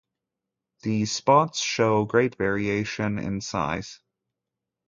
The spots show great variation in size.